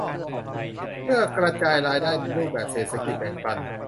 เพื่อกระจายรายได้ในรูปแบบเศรษฐกิจแบ่งปัน